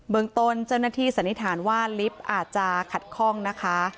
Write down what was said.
เมืองต้นเจ้าหน้าที่สันนิษฐานว่าลิฟต์อาจจะขัดข้องนะคะ